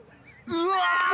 うわ！